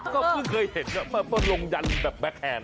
ก็เพิ่งเคยเห็นนะมาพอลงยันแบบแบ๊กแฮน